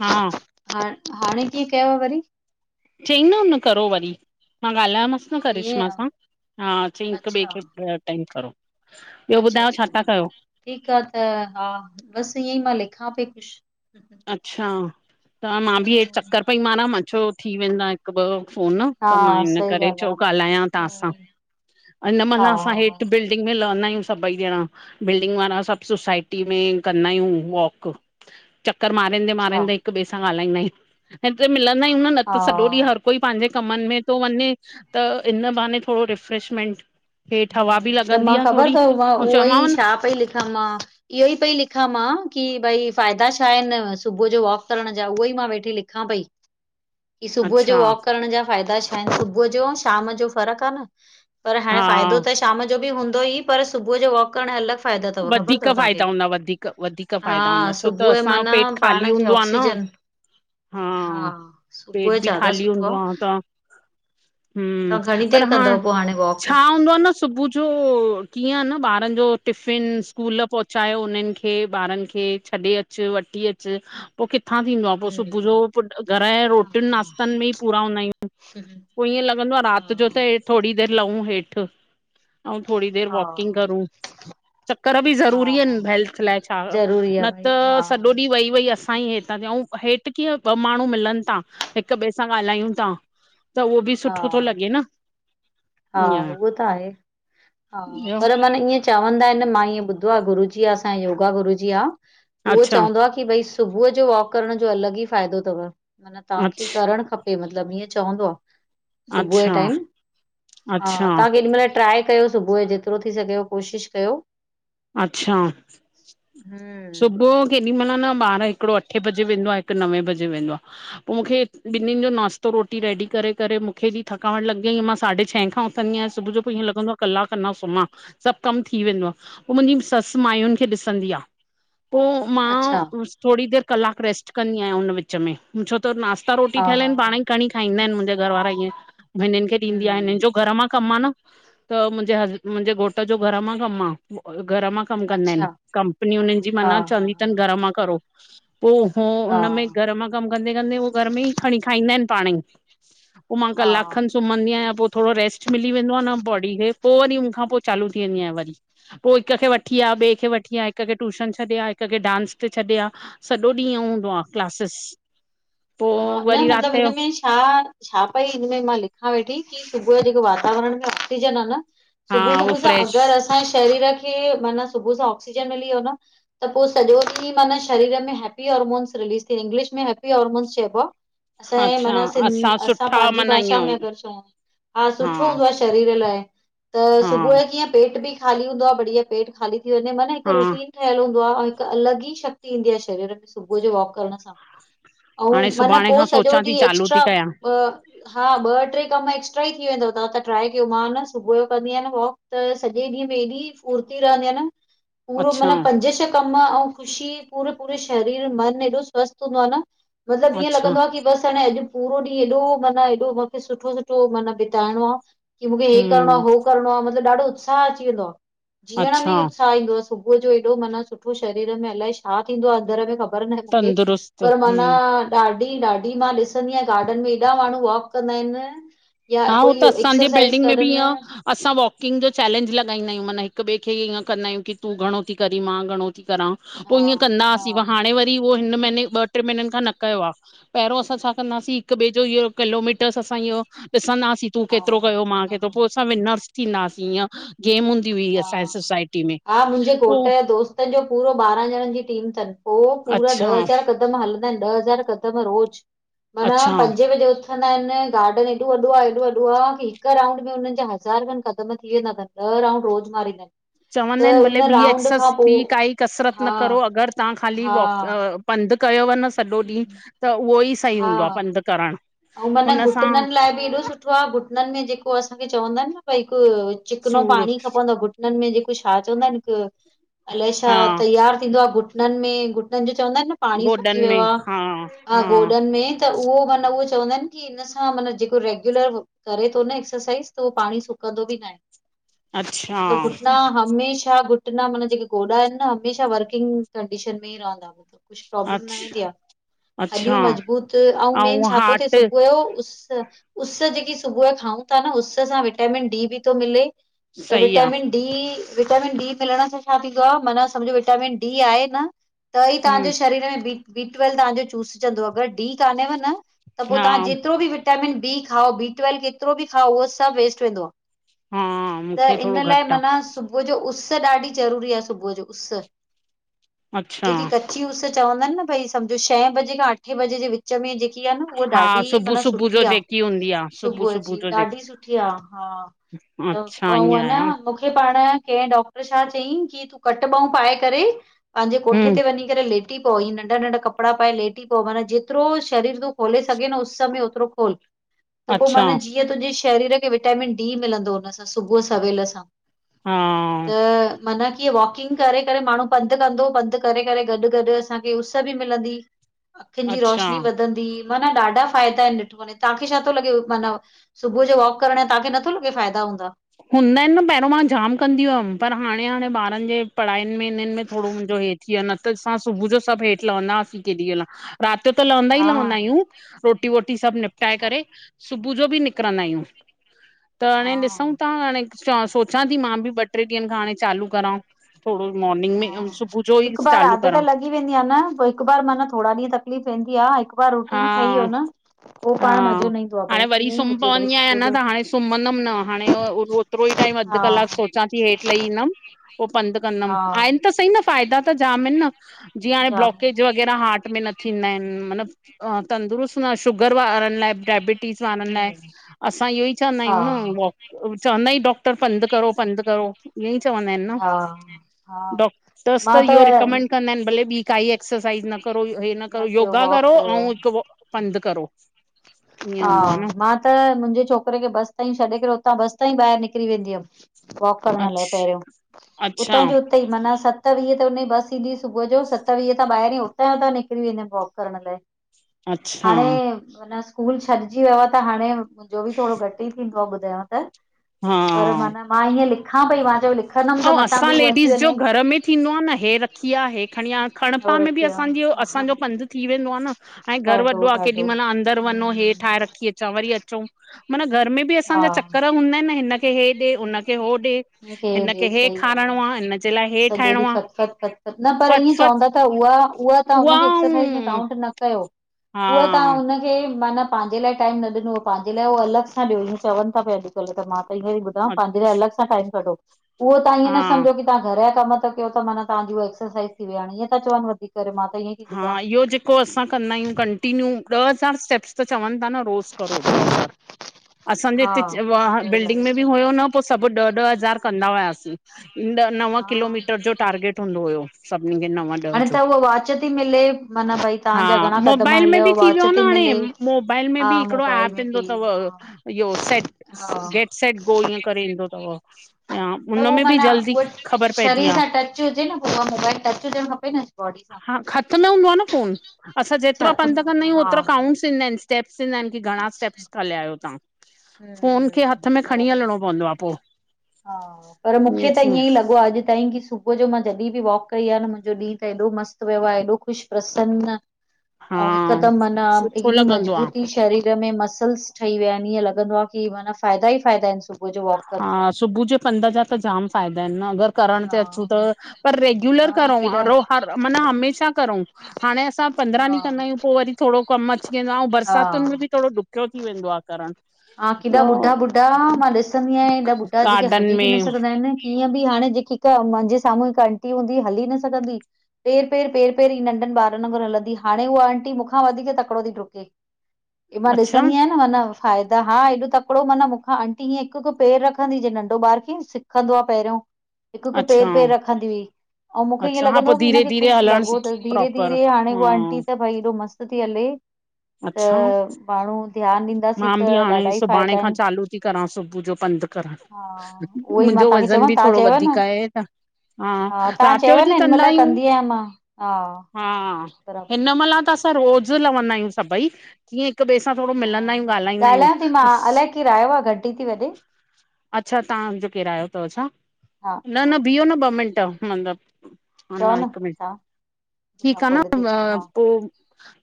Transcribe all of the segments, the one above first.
हा, हा हाणे कीअं कयव वरी? चईं न उन करो वरी मां ॻाल्हायोमांसि। ईअं करिश्मा सां आ हा चयईं हिकु ॿिए अच्छा खे अटेंड करो। ॿियो अच्छा ॿुधायो छा -अच्छा था कयो ठीकु आ त हा बसि ईअं ई मां लिखां पई कुछु। अच्छा त मां बि इएं हम्म, चक्कर पई मारां, मां चयो थी वेंदा हिकु ॿ फ़ोन हा त मां हिन सही करे ॻाल्हि चयो ॻाल्हायां आ तव्हां सां। ऐं न हा माना असां हा हा हेठि बिल् दिन में लहंदा आहियूं सभई ॼणा, बिल्डिंग वारा सभु सोसाइटी में कंदा आहियूं वॉक। चक्कर मारंदे अच्छा मारंदे हिक ॿिए सां ॻाल्हाईंदा आहियूं, हिते मिलंद आहियूं न हा त सॼो ॾींहुं हर कोई पंहिंजे कमनि में तो वञे त इन बहाने थोड़ो रिफ्रेशमेंट हेठ हवा बि त मां लॻंदी आ ख़बर थोड़ी तव, मां ऐं उहो ई चयोमांव न छा पई लिखां मां? इहो ई पई लिखां मां की भई फ़ाइदा छा आहिनि? सुबुह जो वॉक करण जा उहे ई मां वेठी लिख खां पई। की सुबुह जो अच्छा वॉक करण जा फ़ाइदा छा आहिनि? सुबुह जो अऊं शाम जो फ़र्कु आ न पर हाणे हा फाइदो त शाम जो बि हूंदो ई, पर सुबुह जो वॉक करणु अलॻि फायदा तव खबर वधीक तव फ़ाइदा तव्हांखे, हूंदा वधीक वधीक फ़ाइदा हा हूंदा छो त सुबह जो असांजो माना पेट ख़ाली पाण खे हूंदो आ न आक्सीजन हा सुबुह पेट जो बि ज्यादा ख़ाली सुठो हूंदो आ। त तव्हां घणी देरि कंदव पो हाणे वॉक? स्कूल हुन्दों आ न सुबह जो किअं आ न ॿारनि जो टिफ फिन, स्कूल पहुचायो उन्हनि खे ॿारनि खे छॾे अचु वठी अचु। पो किथां थींदो आ पो सुबुह जो हम्म घर जे हा रोटियुनि नाश्तनि में ई पूरा हूंदा आहियूं। पो ईअं लॻंदो आ राति हा जो त हे थोड़ी देर लऊं हेठ ऐं थोड़ी देर हा वॉकिंग करूं। करण बी जरूरी हा आहिन हेल्थ लाए छा? ज़रूरी आहे न भई त हा सॼो ॾीहं वेई- वेई असांई हे ता थियऊं, हेठि कीअं ॿ माण्हू मिलनि ता हिक ॿिए सां ॻाल्हायूं ता। त उहो बि हा सुठो तो लॻे न। हा, उहो त आहे हा ईअं पर माना ईएं चवंदा आहिनि मां ईअं ॿुधो आ, गुरु जी असां योगा गुरु जी आ उहो अच्छा चवंदो आ की भई सुबुह जो वॉक करण जो अलॻि ई फाइदो तव मतलब तव्हांखे अच्छा करणु खपे। खपे मतिलब ईअं चवंदो आ, सुबुह जे अच्छा, टाइम हा अच्छा, तव्हां केॾी महिल ट्राए कयो सुबुह जो? जेतिरो थी सघेव कोशिशि कयो। अच्छा, हम्म सुबुह जो केॾी महिल न ॿारु हिकिड़ो अठे बजे वेंदो आ, हिकु नवे बजे वेंदो आ। पो मूंखे ॿिन्हिनि जो नाश्तो रोटी रेडी करे करे मूंखे हेॾी थकावट लॻी वईं, मां साढे छहें खां उ थंदी आहियां, पो ईअं लॻंदो आ कलाक अंञां सुम्मां। सब कम थी वेंदो आ, पो मुंहिंजी ससु माइयुनि खे ॾिसंदी आ। पो अच्छा मां थोङी देर कलाकु रेस्ट कंदी आहियां उन विच में। छो त नास्ता रोटी हा ठहियल हा आहिन, हा पाण ई खणी खाईंदा आहिन मुंहिंजा घरवारा ईअं। हिनन खे ॾींदी आ, हिननि हम्म जो घर मां कमु आ न। त मुंहिंजे ह मुंहिंजे घोट जो घर मां कमु आ, घर मां कमु कंदा आहिन। अच्छा कंपनी उन्हन जी हा हा चवन्दी थन माना घर मां करो, पो हू हा उन में हा घर मां कम कंदे कंदे उहे घर मे ई खणी खाईंदा आहिन पाण ई, पो मां ककलॉक हा खण सुम सुम्हंदी आहियां। पो थोरो रेस्ट मिली वेंदो आ न बॉडी खे, पो वरी हुनखां पो चालू थी वेंदी आहियां वरी। पो हिक खे वठी आ, ॿिए खे वठी आ हिक खे टयूशन छॾे आ, हिक खे डांस ते छॾे आ, सॼो ॾींहुं इअं हूंदो आ क्लासेस। पो हा न वरी मतिलबु राति जो हिन में छा, छा पई हिनमें मां लिखां वेठी कि सुबुह जो जेको वातावरण में ऑक्सीजन आ न हा सुबुह उहो सुबुह सां फ्रेश अगरि असांजे शरीर खे माना सुबुह सां ऑक्सीजन मिली वियो न त पो सजो ॾींहुँ माना शरीर में हैप्पी हार्मोनस रिलीज थींदा, इंगलिश में हैपी हॉर्मोन् चय असांजे अच्छा माना असां सुठा पंहिंजी माना भाषा में ईअं अगरि चऊं, हा सुठो हूंदो आ। शरीर लाए त हा सुबुह जो कीअं पेट बि खाली हूंदो आ, बढ़िया पेट खाली थी वञे म हिकु हा रुटीन ठहियलु हूंदो आ ऐं हिकु अलॻि ई शक्ति ईंदी आ शरीर में सुबुह जो वॉक करण सां, हाणे अंउं माना सुभाणे पो खां सॼो सोचां थी ॾींहुं चालू एक्स्ट्रा थी कयां हा ॿ टे कम एक्स्ट्रा ई थी वेंदव, तां त ट्राए कयो, मां न सुबुह जो कंदी आहियां न वॉक त सॼे ॾींहं में हेॾी स्फुर्ती रहंदी आ न पूरो अच्छा माना पंज छ कम अंउं ख़ुशी, पूरे- पूरे शरीर मन एॾो स्वस्थ हूंदो आ न मतिलब ईअं अच्छा लॻंदो आ कि बस हाणे अॼु पूरो ॾींहुं एॾो माना एॾो मूंखे सुठो सुठो माना बिताइणो आ कि मूंखे हेीअ करणो आ, हम्म हो करिणो आ, मतिलबु ॾाढो उत्साह अची वेंदो आ, जीअण अच्छा में उत्साह ईंदो आह सुबुह जो एॾो माना सुठो शरीर में अलाए छा थींदो आ अंदर में खब खबर न आए मुखे, तंदुरुस्त पर माना हम्म ॾाढी- ॾाढी, मां ॾिसंदी आहियां गार्डन में केॾा माण्हू वॉक कंदा आहिन। हा, हो त असांजे बिल्डिंग में बि ईअं असां वॉकिंग जो चैलेंज लॻाईंदा आहियूं माना हिकॿिए खे ईअं कंदा आहियूं की तूं घणो थी करी मां घणो थी करां। पो हा ईअं कंदा हा हुआसीं, हाणे वरी उहो हिन महीने ॿ टे महीननि खां न कयो आ। पहिरियों असां छा कंदासीं हिक ॿिए जो इहो किलोमीटर्स असां इहो ॾिसंदासीं, तूं हा केतिरो कयो मांखे क पोइ हा असां विंघ्यंस थींदासीं ईअं गेम हूंदी हुई असांजी हा सोसाइटी में, पो अंसां जो पूरो ॿारहां ॼणनि जी टीम थनि, पो पूरा ॾह अच्छा हज़ार हजार हलंदा आहिन, ॾह हज़ार कदम रोज़, माना अच्छा पंजे बजे वठंदा आहिनि, गार्डन ह एॾो वॾो आह ह एॾो वॾो आ कि हिकु राउंड में हुननि जा हज़ार खण ख़तम थी वेंदा थनि। ॾह राउंड रोज़ मारींदा आहिन। चवंदा आहिन भले ॿी एक्सस काई कसरत हा न करो अगरि तहां ख़ाली हा वॉ पंधु कयुव न सॼो ॾींहुं त उहो ई सही हूंदो आ, पंधु करण। अउं मन घुटनन लाइ बि एॾो सुठो आ, घुटनन में जेको असांखे चवंदा आहिन न भई हिकु चिकनो सूर पाणी खपंदो आ, घुटननि में जेको छा चवंदा आहेन हिकु अलाए छा हा तैयारु थींदो आ घुटननि में घुटननि जो चवंदा आहिन न पाणी गोॾनि सुकी व्यो में आ, हा आ हा गोॾनि में त उहो मन उहो चवंदा आहिनि की इन सां माना जेको रेग्युलर करे तो न एक्सरसाइज़ त उहो पाणी सुकंदो बि नाहे! अच्छा मतलब घुटना हमेशा घुट घुट्ना मन जेके गोडा आहिनि न हमेशा वर्किंग कंडीशन में रहंदा! कुछु प्रोब्लम न वेंदी अच्छा आ, हॾियूं अच्छा मज़बूत अऊं मेन ऐं छा हार्ट त उस, उस जेकी सुबुह जो खाऊं ता न उस सां विटामिन डी बि तो मिले! त सही आ विटामिन डी विटामिन डी मिलण सां छा थींदो आ? माना सम्झ विटामिन डी आहे न! त ई हम्म तव्हांजे शरीर में बी, बी ट्वेल्व तव्हांजो चूसजंदो अगरि डी कान्हेव न! त पो हा तव्हां जेतिरो बि विटामिन बी खाओ बी ट्वेल् कतिरो बि खाओ उहो सभु वेस्ट वेंदो आ। हा त मूंखे थोरो इन लाइ घटि आ माना सुबुह जो उस्स ॾाढी ज़रूरी आ सुबुह जो, उस्स अच्छा जेकी क ची उस्स चवंदा आहिनि न, भई सम्झो छह बजे खां अठे बजे जे विच में जेकी आ न उह हा ॾाढी सुबुह माना सुबुह जो सुठी आ जेकी हूंदी आ सुबुह जी, जो ॾाढी सुठी आ, हा। जेकी त अच्छा ईअं हुवं न आया मुंखे मुखे पाण कैं डॉक्टर छा चयईं कि कट ॿाहूं पाए करे पहंजे कोठे हम्म ते वञी करे लेटी पओ, ई नंढा नंढा कपिड़ा पाए लेटी पओ माना जेतिरो शरीर तूं खोले सघें न उस में ओतिरो खोल, त पो अच्छा मान जीअं कीअं तुंहिंजे शरीर खे विटामिन डी मिलंदो हुन सां, सुबुह सवेल सां। हा त माना कि वॉकिंग करे- करे माण्हू पंधु कंदो, पंधु करे- करे, गॾु- गॾु असांखे उस्स बि मिलंदी। अखियुनि जी अच्छा रोशनी वधंदी, माना ॾाढा फ़ाइदा आहिनि ॾिठो वञे, तहांखे छा तो लॻे? माना सुबुह जो वॉक करण जा तहांखे नथो लॻे फ़ाइदा हूंदा! हूंदा आहिनि न, पहिरों मां जाम कंदी हुयमि पर हाणे, हाणे ॿारनि जे पढ़ाईनि में हिननि में थोङो मुंहिंजो हे थी वियो न त असां सुबुह जो सभु हेठि लहंदा हुआसीं केॾी महिल। राति जो त लवंदा ई हा लवंदा आहियूं। रोटी- वोटी सब निपटाए अच्छा करे सुबुह जो बि निकिरंदा आहियूं। त हाणे ॾिसूं हा ता, हाणे सोचां थी मां बि ॿ- टे ॾींहंनि खां, हाणे चालू करां थोङो। मोर्निंग में सुबुह जो ई चालू करां। थी वेंदी आ न, पो हिकु बार माना थोङा ॾींहं तकलीफ़ वेंदी आ हिक बार रुटीन ठही हा वियो न, पो पाण हा मज़ो न ईंदो आ, हाणे भई वरी ईअं ई सुम्ही हुजे भई पवंदी आहियां सुबुह न त जो। हाणे सुम्हंदमि न हाणे ओतिरो ई टाइम अधु हा कलाकु सोचां ती हेठ लई ईंदमि, पो पंध कंदमि, हा आहिन त सही न फ़ाइदा त जाम आहिन न। जीअं हाणे जाम ब्लॉकेज वग़ैरह हार्ट में न थींदा आहिन मतिलबु। अ तंदरुस्त न शुगर वारनि लाए डायबिटीज़ वारनि लाए, हम्म असां इहो ई चवंदा आहियूं हा न वॉक, चवंदा ई डॉक्टर। डॉक्टर पंधु करो पंधु करो ईअं ई चवंदा आहिनि न, हा हा डॉक तस त इहो रिकमेंड कंदा आहिनि, भले ॿी काई एक्सरसाइज़ न करो हे न करो, कयो योगा वॉक करो कयो पो पंध करो ईअं हा हूंदो आहे न मां त मुंहिंजे छोकिरे खे बस ताईं छॾे करे उतां बस ताईं ॿाहिरि निकिरी वेंदी हम। वॉक करण लाइ अच्छ पहिरियों, अच्छा उतां जो उते ई माना सत वीह ते हुन जी बस ईंदी हुई सुबुह जो सत वीह ता ॿाहिरि ई उतां उतां निकिरी वेंदी हम वॉक करण लाइ। अच्छा हाणें माना स्कूल छॾिजी वियो आ त हाणे मुंहिंजो बि थोड़ो घटि ई थींद पो ॿुधायांव त हां पर मन मां हीअं लिखां पई मां च्यो लिखंदमि त ऐं मतां असां बि हूअ लेडीस अची जो वञें। घर में थींदो आ न हे रखी आ, हे खणी आ, खणिं पाह और में बि कीअं असांजो, हा हा असांजो हा पंधु थी वेंदो आ न ऐं घरु ॾाढो वॾो आ केॾी ॾाढो महिल अंदरि हम्म वंञों हे ठाहे रखी अच चा वरी अचंउं, मन घर में बि हा असांजा चक्कर हूंदा हिनि न हिनखे हे ॾे हुनखे हो ॾे हिनखे हे ॾेस, सही ॻाल्हि खाराइणो हिनजे आ लाइ हे सॼो ॾींहुं ठाहिणो आ फतफत- फतफत न पर फत ईंयें फत चवंदा त उआ उहा तहां हुनखे एक्सरसाइज़ में काउंट न कयो, हा उहा तहां हुन खे, माना पांजे लाए टाइम न ॾिनुअ पांजे उहो अलॻि सां ॾियो इयें चवनि ता पिया अॼुकल्ह त मां सही में ती ॿुधायांव अ पांजे लाए अलॻि सां टाइम कढो, उहो तव्हां ईह्ये न हा सम्झो की तहां घर या कम ता कयो त माना तहांजी उहा एक्सरसाइॼ़ थी वई हाणें, ईअं ता चवनि वधीक करे मां त इंयंइ हा, इह्यो जे को असां कंदा आहियूं कंटिन्यू, ॾह हज़ार स्टेप्स त चवनि ता न रोज़ करो ॾह हज़ार असांजे हा हिते च वा ॿियो छा बिल्डिंग में बि छा हुयो न पो सभु ॾह-ॾह हज़ार कंदा हुयासीं। ॾह नव हा किलोमीटर जो टार्गेट हूंदो हुयो सभिनि खे नव ॾह न त जो। उहा वाच ती हा, मोबाइल में बि हलियव थीं वॉच व्यो न थी मिले हाणें मोबाइल में में हा भी हिकड़ो मोबाइल एप में ईदों बि तव हा इहो सेट हा गेट सेट ओ इंअ करे ईंदो तव या, त उहो उनमें बि माना जल्दी उहा ख़बर पएजी शरीर आ। सां टच हुजे न पो उहा मोबाइल टच हुजणु खपे न बॉडी सां हा खत में हूंदो आ न फ़ोन, असांं अच्छा जेतिरो हथ पंध में हूंदो कंदा आहियूं आ, हा ओतिरो काउंट्स ईंदा इनिस। स्टेप्स ईंदा हिनि कि घणां अच्छा स्टेप्स हलया आयो तहां, हम्म फोन खे हम्म हथ में खणीं बराबरि हलणों पवंदो आ पो हा, पर मुखे ईअं त थी ईयंई लॻो आ अॼु ताईं की सुबु सुबुअ जो मां जॾहिं बि वॉक कई आ न मुंहिंजो ॾींहुं त एॾो मस्तु वयो आ एॾो ख़ुशि प्रसन हा अउं हिकदम मना सुठो एॾी लॻंदो आ मजबूती शरीर में मसल्स ठही विया इनि ईअं लॻंदो आ की माना फ़ाइदा ई फ़ाइदा इनि सुबुअ जो वॉक करण में सुबु जे पंध जा त जाम फ़ाइदा इनि न अगरि करण ते अचूं त सां पर रेग्युलर हा हा करउं केॾा हर रो हर माना हमेशा करउं हाणें असां पंद्रा हा ॾींहं कंदायूं पो वरी थोड़ो कमु अची वेंदो आ अउं बरसातुनि हा में बि थोड़ो ॾुक् खियो थी वेंदो आ करणु। हा केॾा ॿुढा-ॿुढा मां ॾिसंदी आयां एॾा ॿुढा जेके गार्डन हली बि न में सघंदा हिनि ईअं बि हाणें जेकी हिक मांजे साम्हूं हिक अंटी हूंदी हली न सघंदी ही। पेर-पेर, पेर-पेर ही नंढनि ॿारनि वंगुर हलंदी, हाणें उहा अंटी मुखा वधीक तकिड़ो ती ड्रुके। इ मां अच्छा ॾिसंदी आहियां न मन फ़ाइ दा हा एॾो तकिड़ो मन मुखां अंटी हीअं हिकु-हिकु पेर रखंदी ही, जिंअ नंढो ॿार किंअ सिखंदो आ पहिरियों। हिकु-हिकु, अच्छा पेर-पेर रखंदी हुई। अउं मुखे ईअं अच्छा हा लॻंदो पो हो कि धीरे हिनखे धीरे कुछु हलण लॻो सिख तस, प्रॉपर धीरे-धीरे, हाणें हा उहा अंटी त भई एॾो मस्तु ती हले त, अच्छा माण्हूं ध्यानु ॾींदासीं त भी हाणें, ॾाढा ई सुभाणे फ़ाइदा आहिनि खां चालू ती करां सुबुह जो पंधु करण, हा उहो ई मां मुजो तव्हांखे वज़ वज़न चवां बि तव्हां थोड़ो चयव वधीक आहे न हा, तव्हां राति जो चयव न जीयं हिन कंदा महिल आहियूं कंदी आहियां मां हा हा बराबरि हिनमलां त असां रोज़ु लहंदा आहियूं सभई कीअं हिक ॿिए सां थोड़ो मिलंदा आहियूं ॻाल्हाईंदा हा आहियूं ॻाल्हायां ती मां अलाए केरु आयो आ घंटी ती वॾे अच्छा तहां जो केर आयो तव छा? हा न हा न बीह्यो न ॿ मिंट मतलब अ चओ न हिकु मिंट, छा मां ठीक आ न खोले थी अ अचां हा पो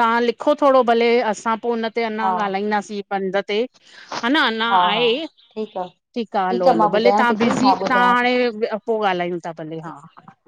तां लिखो थोङो भले असां पो हुन ते अञां हा ॻाल्हाईंदासीं। पंध ते, ह न अञा हा हा आहे। ठीकु आ। ठीकु आ, हलो -हलो, भले तहां बिज़ी, तहां थी पई, हाणे पो ॻाल्हायूं था भले, हा- ठीकु हा।